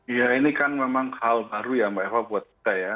ya ini kan memang hal baru ya mbak eva buat kita ya